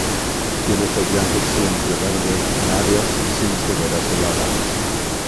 Tiene follaje siempreverde en áreas sin severas heladas.